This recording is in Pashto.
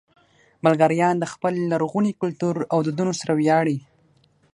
بلغاریان د خپل لرغوني کلتور او دودونو سره ویاړي.